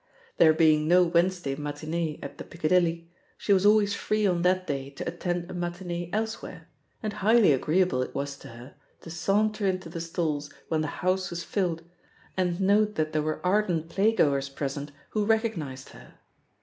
There being no Wednesday matinee at the Pic cadilly, she was always free on that day to at tend a matinee elsewhere, and highly agreeable it was to her to saunter into the stalls when the house was filled and note that there were ardent playgoers present who recognised her.